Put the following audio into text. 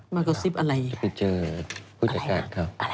เราก็ซิปอะไรอีกครับ